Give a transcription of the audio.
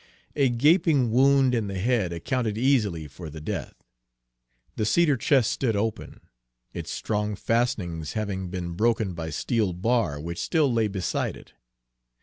A gaping wound in the head accounted easily for the death. The cedar chest stood open, its strong fastenings having been broken by a steel bar which still lay beside it.